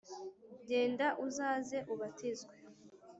genda uzaze ubatizwe.